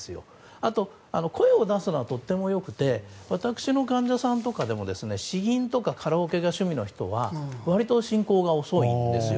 あと、声を出すのはとっても良くて私の患者さんとかでも詩吟とかカラオケが趣味の人は割と進行が遅いんですよ。